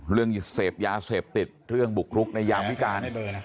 เรื่องเสพยาเสพติดเรื่องบุกรุกในยามวิการ